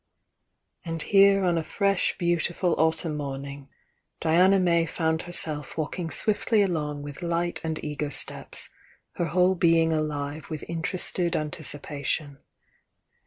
And here on a fresh beautiful autumn morning Diana May found herself walking swiftly along with light and eager steps, her whole being alive with interested anticipation.